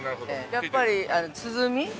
やっぱり鼓？